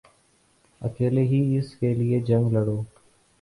اکیلے ہی اس کیلئے جنگ لڑو